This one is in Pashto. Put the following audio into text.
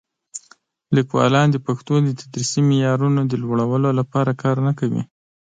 لیکوالان د پښتو د تدریسي معیارونو د لوړولو لپاره کار نه کوي.